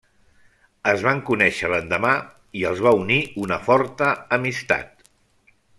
Es van conèixer l'endemà, i els va unir una forta amistat.